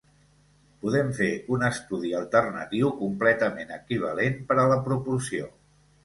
Podem fer un estudi alternatiu completament equivalent per a la proporció.